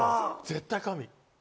絶対、神。